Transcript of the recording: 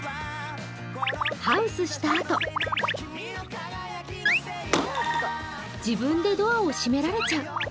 ハウスしたあと自分でドアを閉められちゃう。